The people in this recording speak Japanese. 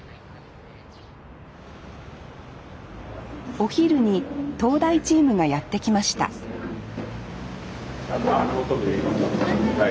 お昼に東大チームがやって来ましたはい。